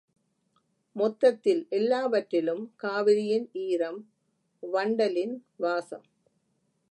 மொத்தத்தில் எல்லாவற்றிலும் காவிரியின் ஈரம், வண்டலின் வாசம்.